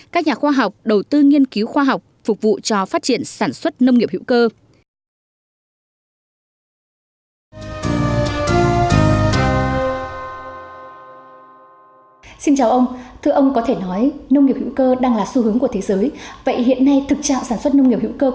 các nhà khoa học đầu tư nghiên cứu khoa học phục vụ cho phát triển sản xuất nông nghiệp hữu cơ